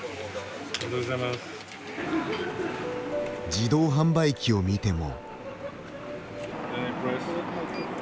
自動販売機を見ても。